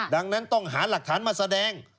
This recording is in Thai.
ดังนั้นต้องหาหลักฐานมาแสดง